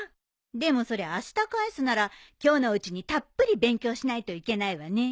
でもそれあした返すなら今日のうちにたっぷり勉強しないといけないわね。